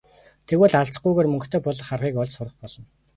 Тэгвэл алзахгүйгээр мөнгөтэй болох аргыг олж сурах болно.